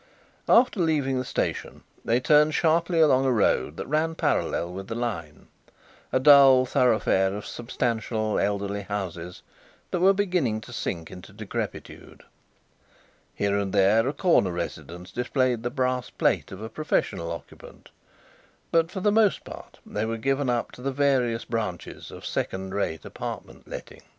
After leaving the station they turned sharply along a road that ran parallel with the line, a dull thoroughfare of substantial, elderly houses that were beginning to sink into decrepitude. Here and there a corner residence displayed the brass plate of a professional occupant, but for the most part they were given up to the various branches of second rate apartment letting.